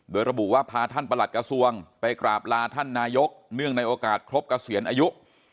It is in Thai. โดยระบุว่าพาท่านประหลัดกระทรวงไปกราบลาท่านนายกเนื่องในโอกาสครบเกษียณอายุ